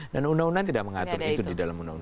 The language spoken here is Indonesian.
dan undang undang tidak mengatur itu